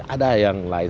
ada yang lain